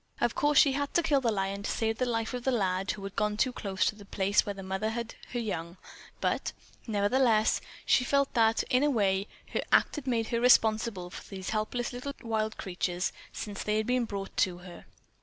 Of course she had to kill the lion to save the life of the lad who had gone too close to the place where the mother had her young; but, nevertheless, she felt that, in a way, her act had made her responsible for these helpless little wild creatures, since they had been brought to her.